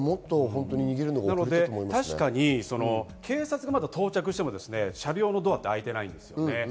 確かに警察がまだ到着しても車両のドアって開いてないんですよね。